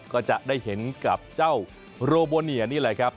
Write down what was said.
ก็จะได้เห็นกับเจ้าโรโบเนียนี่แหละครับ